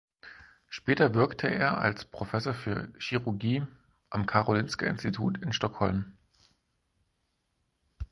Später wirkte er als Professor für Chirurgie am Karolinska-Institut in Stockholm.